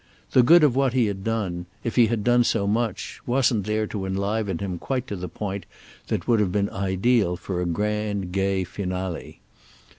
The good of what he had done, if he had done so much, wasn't there to enliven him quite to the point that would have been ideal for a grand gay finale.